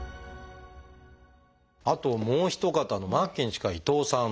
あともうお一方の末期に近い伊藤さん。